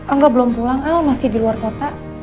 angga belum pulang al masih di luar kota